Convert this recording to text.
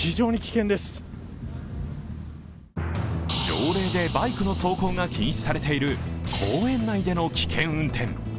条例でバイクの走行が禁止されている公園内での危険運転。